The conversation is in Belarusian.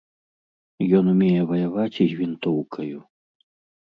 Ён умее ваяваць і з вінтоўкаю.